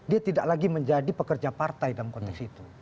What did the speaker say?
dia tidak lagi menjadi pekerja partai dalam konteks itu